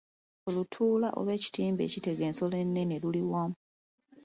Olutuula oba ekitimba ekitega ensolo ennene luli wa?